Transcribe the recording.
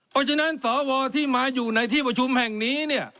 เพราะฉะนั้นสวที่มาอยู่ในที่ประชุมแห่งนี้เนี่ย